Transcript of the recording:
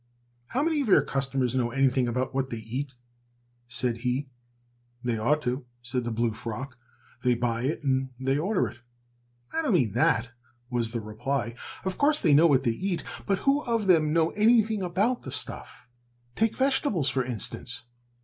"How many of your customers know anything about what they eat?" said he. "They ought to," said the blue frock, "they buy it and they order it." "I don't mean that," was the reply. "Of course they know what they eat, but who of them know anything about the stuff? Take vegetables, for instance."